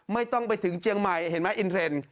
ไม่ต้องไปถึงเจียงใหม่เห็นไหมอินเทรนด์